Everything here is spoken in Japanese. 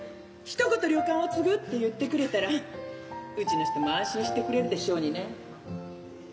ひと言旅館を継ぐって言ってくれたらうちの人も安心してくれるでしょうにね。